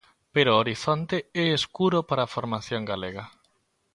Pero o horizonte é escuro para a formación galega.